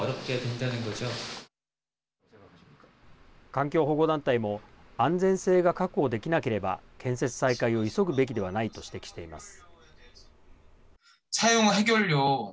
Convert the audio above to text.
環境保護団体も安全性が確保できなければ建設再開を急ぐべきではないと指摘しています。